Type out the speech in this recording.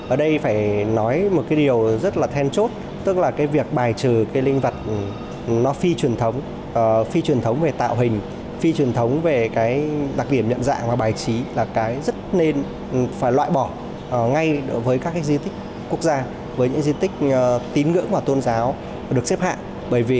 ở đây phải nói một điều rất là then chốt tức là việc bài trừ linh vật phi truyền thống về tạo hình phi truyền thống về đặc điểm nhận dạng và bài trí